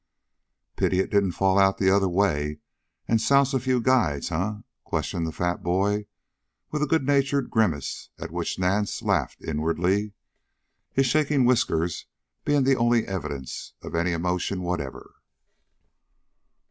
"Pity it didn't fall out the other way and souse a few guides, eh?" questioned the fat boy, with a good natured grimace at which Nance laughed inwardly, his shaking whiskers being the only evidence of any emotion whatever.